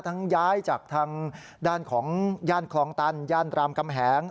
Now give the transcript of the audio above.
ย้ายจากทางด้านของย่านคลองตันย่านรามกำแหง